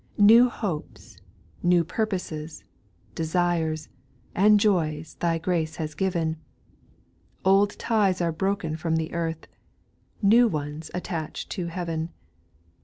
3. New hopes, new purposes, desires, And joys. Thy grace has given ; Old ties are broken from the earth, New ones attach to heaven.